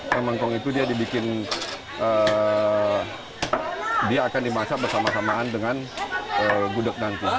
yang ngongkong itu dia akan dimasak bersama samaan dengan gudeg nanti